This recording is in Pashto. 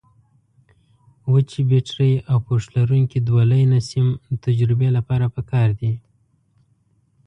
وچې بټرۍ او پوښ لرونکي دوه لینه سیم د تجربې لپاره پکار دي.